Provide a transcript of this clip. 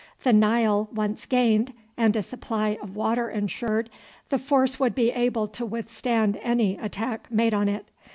The Nile once gained, and a supply of water ensured, the force would be able to withstand any attack made on it.